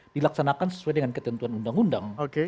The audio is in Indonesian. dilaksanakan sesuai dengan ketentuan undang undang